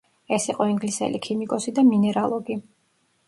ეს იყო ინგლისელი ქიმიკოსი და მინერალოგი.